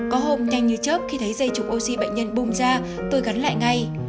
có hôm nhanh như chớp khi thấy dây trục oxy bệnh nhân bùng ra tôi gắn lại ngay